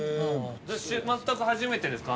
全く初めてですか？